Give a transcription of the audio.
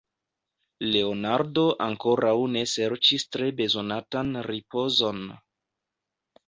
Leonardo ankoraŭ ne serĉis tre bezonatan ripozon.